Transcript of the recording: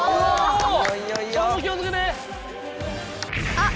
あっ。